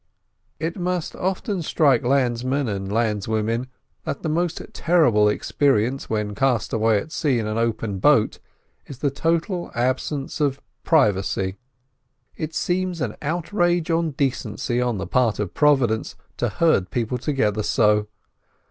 It must often strike landsmen and landswomen that the most terrible experience when cast away at sea in an open boat is the total absence of privacy. It seems an outrage on decency on the part of Providence to herd people together so.